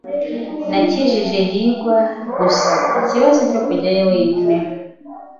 Nakijije hirwa gusa ikibazo cyo kujyayo wenyine.